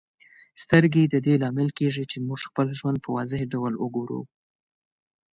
سترګې د دې لامل کیږي چې موږ خپل ژوند په واضح ډول وګورو.